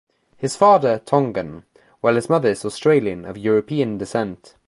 His father Tongan while his mother is Australian of European descent.